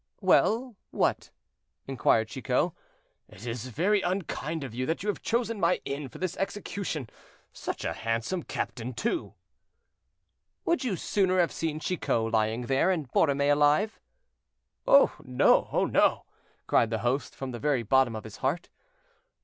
"Well, what?" inquired Chicot. "It is very unkind of you to have chosen my inn for this execution; such a handsome captain, too!" "Would you sooner have seen Chicot lying there, and Borromée alive?" "No, oh no!" cried the host, from the very bottom of his heart.